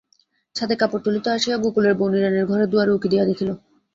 ছাদে কাপড় তুলিতে আসিয়া গোকুলের বউ নীরেনের ঘরের দুয়ারে উঁকি দিয়া দেখিল।